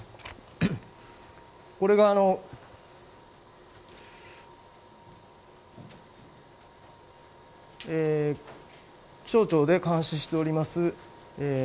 これが気象庁で監視しております